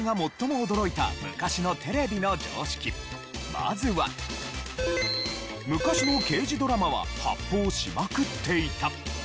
まずは昔の刑事ドラマは発砲しまくっていた。